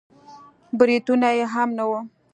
برېتونه يې هم نه وو.